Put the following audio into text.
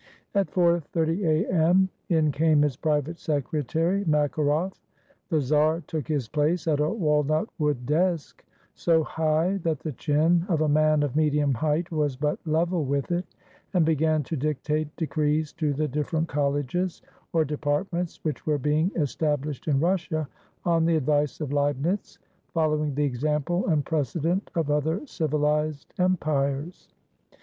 At 4.30 A.M. in came his private secretary, Makaroff. The czar took his place at a walnut wood desk — so high that the chin of a man of medium height was but level with it, and began to dictate decrees to the differ ent colleges or departments, which were being estab lished in Russia on the advice of Leibnitz, "following the example and precedent of other civilized empires."